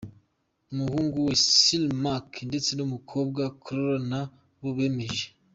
Umuhungu we, Sir Mark ndetse numukobwa Carol na bo bemeje.